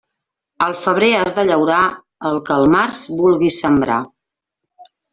Al febrer has de llaurar, el que al març vulguis sembrar.